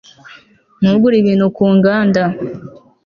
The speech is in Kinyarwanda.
Ntugure Ibintu ku nganda